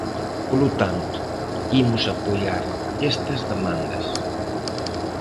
Polo tanto, imos apoiar estas demandas.